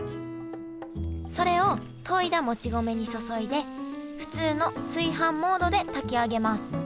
それをといだもち米に注いで普通の炊飯モードで炊き上げます